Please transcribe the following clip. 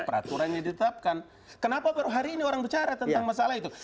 peraturannya ditetapkan kenapa baru hari ini orang bicara tentang masalah itu